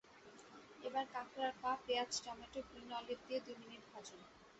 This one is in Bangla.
এবার কাঁকড়ার পা, পেঁয়াজ, টমেটো, গ্রিন অলিভ দিয়ে দুই মিনিট ভাজুন।